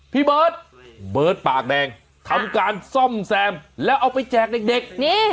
พี่เบิร์ตเบิร์ตปากแดงทำการซ่อมแซมแล้วเอาไปแจกเด็ก